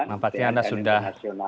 selamat siang anda sudah